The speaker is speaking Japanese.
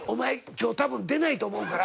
今日多分出ないと思うから。